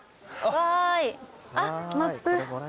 あっマップ。